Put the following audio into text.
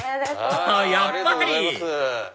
あやっぱり！